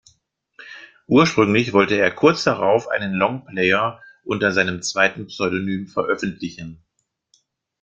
Ursprünglich wollte er kurz darauf einen Longplayer unter seinem zweiten Pseudonym veröffentlichen.